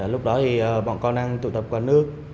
lúc đó thì bọn con đang tụ tập quán nước